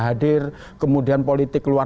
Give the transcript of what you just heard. hadir kemudian politik luar